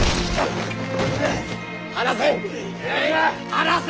離せ！